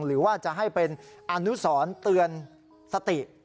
หรือว่าจะให้เป็นอนุสรเตือนสติ